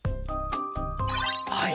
はい。